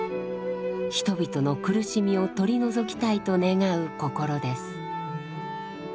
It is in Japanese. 人々の苦しみを取り除きたいと願う心です。